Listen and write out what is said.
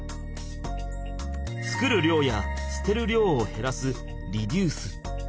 作る量や捨てる量をへらすリデュース。